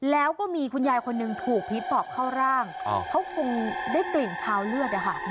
แล้วก็มีคุณยายคนหนึ่งถูกผีปอบเข้าร่างเขาคงได้กลิ่นคาวเลือดนะคะ